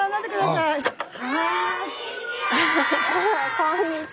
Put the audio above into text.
こんにちは。